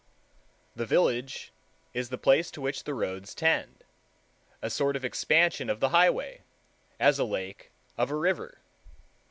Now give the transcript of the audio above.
The village is the place to which the roads tend, a sort of expansion of the highway, as a lake of a river.